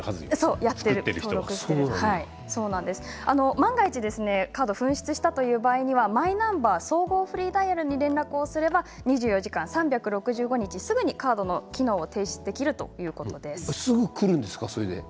万が一、カードを紛失したらという場合にはマイナンバー総合フリーダイヤルに連絡すれば２４時間３６５日すぐにカードの機能を停止できるということです。